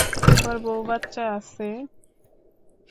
তোমার বউ-বাচ্চা আছে।